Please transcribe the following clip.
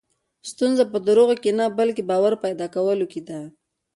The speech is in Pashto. ستونزه په دروغو کې نه، بلکې باور پیدا کولو کې ده.